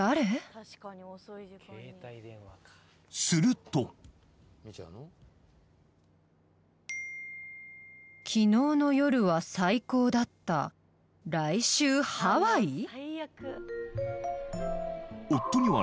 すると「昨日の夜は最高だった来週ハワイ」？